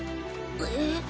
えっ？